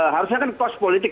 harusnya kan kos politik